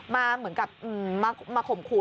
มาเหมือนกับมาข่มขู่